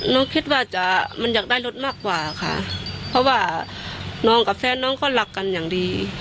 น้องคิดว่าจะมันอยากได้รถมากกว่าค่ะเพราะว่าน้องกับแฟนน้องก็รักกันอย่างดี